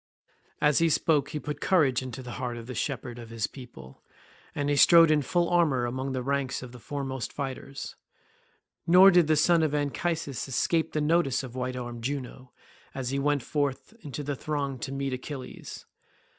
As he spoke he put courage into the heart of the shepherd of his people, and he strode in full armour among the ranks of the foremost fighters. Nor did the son of Anchises escape the notice of white armed Juno, as he went forth into the throng to meet Achilles.